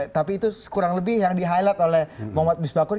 tapi itu kurang lebih yang di highlight oleh mohd biswakun